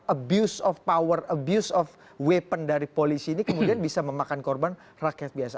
abuse of power abuse of weapon dari polisi ini kemudian bisa memakan korban rakyat biasa